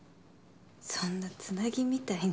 そんなつなぎみたいな。